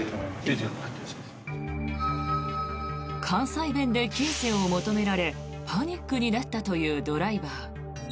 関西弁で金銭を求められパニックになったというドライバー。